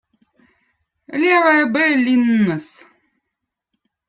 Levo eb õõ linnõz